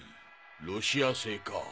ロシア製か。